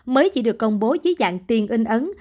mới chỉ được công bố dưới dạng tiền in ấn